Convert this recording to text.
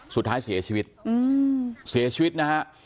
สุดท้ายเสียชีวิตเสียชีวิตนะฮะ